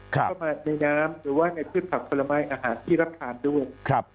เข้ามาในน้ำหรือว่าในพืชผักผลไม้อาหารที่รับทานด้วย